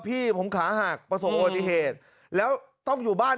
พี่ผมขาหักประสบอุบัติเหตุแล้วต้องอยู่บ้าน